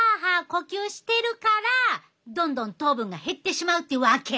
呼吸してるからどんどん糖分が減ってしまうってわけ。